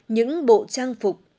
những bộ trang phục